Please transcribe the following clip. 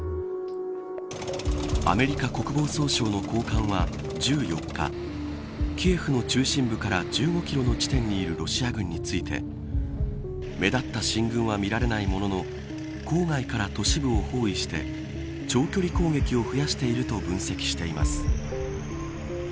アメリカ国防総省の高官は１４日、キエフの中心部から１５キロの地点にいるロシア軍について目立った進軍は見られないものの郊外から都市部を包囲して長距離攻撃を増やしていると分析しています。